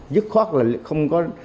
dứt khoát là không có